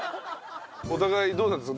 お互いどうなんですか？